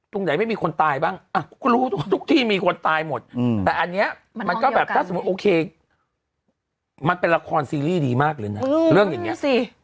ตรงไหนไม่มีคนตายบ้างก็รู้ทุกที่มีคนตายหมดแต่อันนี้มันก็แบบถ้าสมมุติโอเคมันเป็นละครซีรีส์ดีมากเลยนะเรื่องอย่างนี้